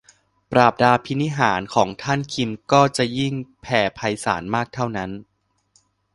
ปราบดาภินิหารย์ของท่านคิมก็จะยิ่งแผ่ไพศาลมากเท่านั้น